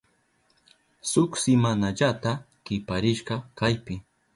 Shuk simanallata kiparisha kaypi.